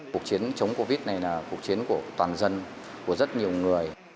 cuộc chiến chống covid này là cuộc chiến của toàn dân của rất nhiều người